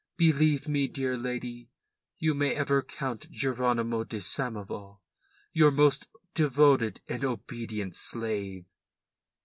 Believe me, dear lady, you may ever count Jeronymo de Samoval your most devoted and obedient slave."